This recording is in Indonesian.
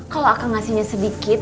kalau akan ngasihnya sedikit